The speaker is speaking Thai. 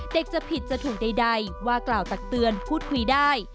จะผิดจะถูกใดว่ากล่าวตักเตือนพูดคุยได้